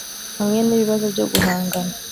hamwe n’ibibazo byo guhangana